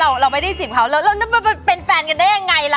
เราไม่ได้จีบเขาแล้วเราเป็นแฟนกันได้ยังไงล่ะ